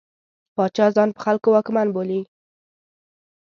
پاچا ځان په خلکو واکمن بولي.